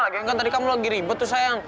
lagi kan tadi kamu lagi ribet tuh sayang